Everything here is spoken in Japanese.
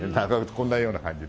こんなような感じで。